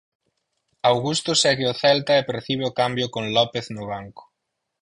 Augusto segue o Celta e percibe o cambio con López no banco.